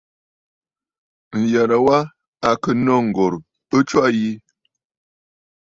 Ǹyərə wa à kɨ̀ nô ŋ̀gòrə̀ ɨ tswâ yi.